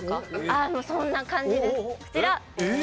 あぁもうそんな感じですこちら！